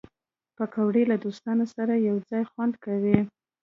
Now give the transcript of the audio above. پکورې له دوستانو سره یو ځای خوند کوي